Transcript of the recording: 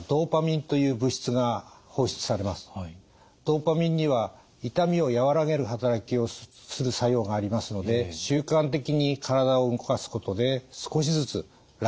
ドパミンには痛みを和らげる働きをする作用がありますので習慣的に体を動かすことで少しずつ楽になっていきます。